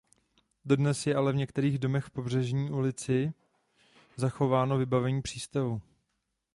Dodnes je ale v některých domech v Pobřežní ulici zachováno vybavení přístavu.